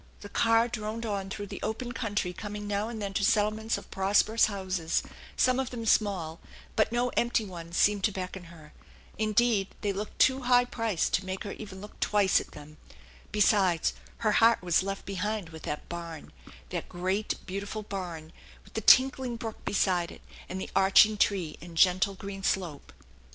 The car droned on through the open country coming now and then to settlements of prosperous houses, some of them small ; but no empty ones seemed to beckon her. Indeed, they looked too high priced to make her even look twice at then? ; besides, her heart was left behind with that barn, that great^ beautiful barn with the tinkling brook beside it, and the arching tree and gentle green slope.